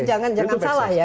jangan salah ya